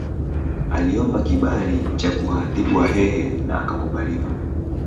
Aliomba kibali cha kuwaadhibu Wahehe na akakubaliwa